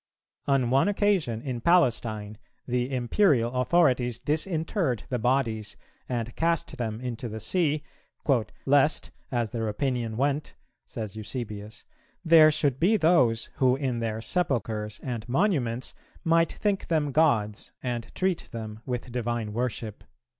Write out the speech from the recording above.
On one occasion in Palestine, the Imperial authorities disinterred the bodies and cast them into the sea, "lest as their opinion went," says Eusebius, "there should be those who in their sepulchres and monuments might think them gods, and treat them with divine worship."